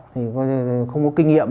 thì không có kinh nghiệm